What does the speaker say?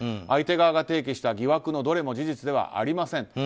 相手側が提起した疑惑のどれも事実ではありません。